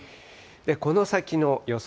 この先の予想